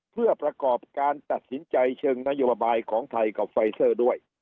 เพื่อประกอบการตัดสินใจเชิงนโยบายของไทยกับไฟเซอร์ด้วย